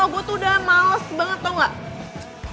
oh gue tuh udah males banget tau gak